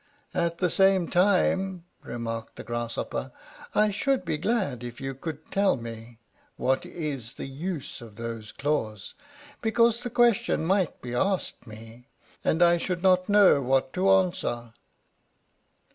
"At the same time," remarked the Grasshopper, "I should be glad if you could tell me what is the use of those claws, because the question might be asked me, and I should not know what to answer."